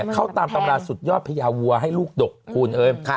เข้าตามตำราสุดยอดพญาวัวให้ลูกดกคุณเอ้ย